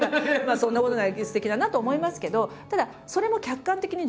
そんなことないすてきだなと思いますけどただそれも客観的に自分を見てるんです。